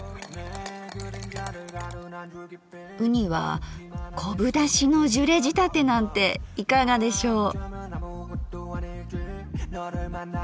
うには昆布だしのジュレ仕立てなんていかがでしょう？